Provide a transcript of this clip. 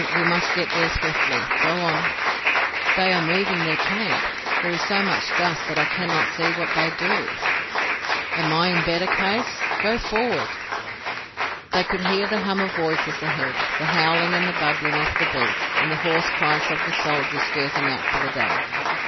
We must get there swiftly. Go on." "They are moving in their camp. There is so much dust that I cannot see what they do." "Am I in better case? Go forward." They could hear the hum of voices ahead, the howling and the bubbling of the beasts and the hoarse cries of the soldiers girthing up for the day.